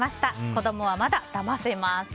子供はまだだませます。